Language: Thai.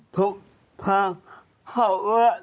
ทกท่าเท่าเรื่อง